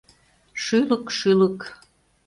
Шӱлык, шӱлык.